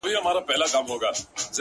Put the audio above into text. زما لفظونه په سجده دې په لمانځه پاته دي”